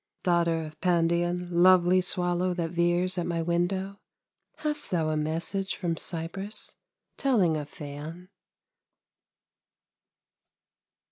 Daughter of Pandion, lovely Swallow that veers at my window, Hast thou a message from Cyprus Telling of Phaon?